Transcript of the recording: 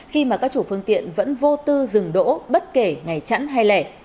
khi mà các chủ phương tiện vẫn vô tư dừng đỗ bất kể ngày chẵn hay lẻ